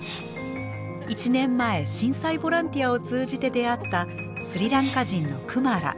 １年前震災ボランティアを通じて出会ったスリランカ人のクマラ。